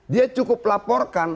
dia cukup laporkan